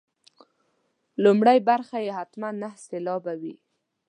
لومړۍ برخه یې حتما نهه سېلابه وي.